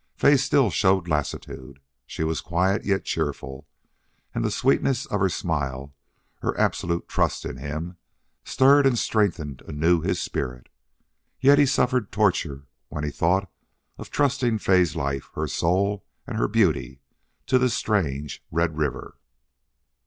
Fay still showed lassitude. She was quiet, yet cheerful, and the sweetness of her smile, her absolute trust in him, stirred and strengthened anew his spirit. Yet he suffered torture when he thought of trusting Fay's life, her soul, and her beauty to this strange red river.